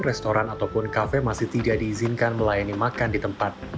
restoran ataupun kafe masih tidak diizinkan melayani makan di tempat